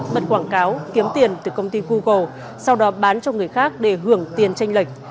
mật quảng cáo kiếm tiền từ công ty google sau đó bán cho người khác để hưởng tiền tranh lệch